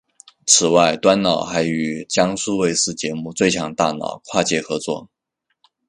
此外端脑还与江苏卫视节目最强大脑跨界合作。